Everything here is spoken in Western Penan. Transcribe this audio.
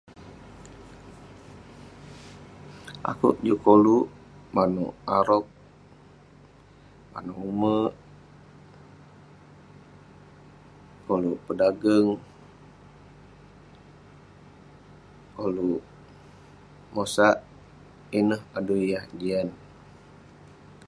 Akouk juk kolouk manouk arok, manouk umek, koluk pedageng, kolukmosak. Ineh adui yah jian.